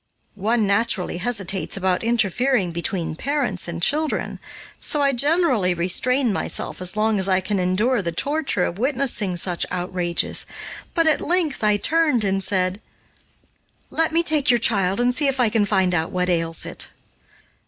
One naturally hesitates about interfering between parents and children, so I generally restrain myself as long as I can endure the torture of witnessing such outrages, but at length I turned and said: "Let me take your child and see if I can find out what ails it."